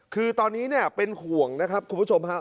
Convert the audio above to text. คือตอนนี้เนี่ยเป็นห่วงนะครับคุณผู้ชมครับ